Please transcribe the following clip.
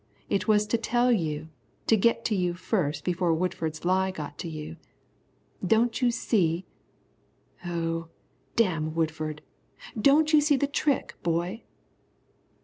It was to tell you, to git to you first before Woodford's lie got to you. Don't you see? Oh, damn Woodford! Don't you see the trick, boy?"